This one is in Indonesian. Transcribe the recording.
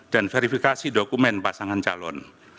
dan verifikasi dokumen pasangan calon